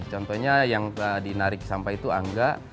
contohnya yang tadi narik sampah itu angga